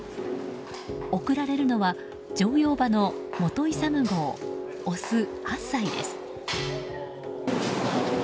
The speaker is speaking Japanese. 贈られるのは乗用馬の本勇号、オス８歳です。